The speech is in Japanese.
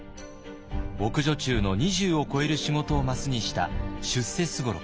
奥女中の２０を超える仕事をマスにした出世すごろくです。